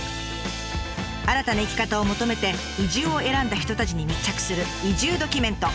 新たな生き方を求めて移住を選んだ人たちに密着する移住ドキュメント。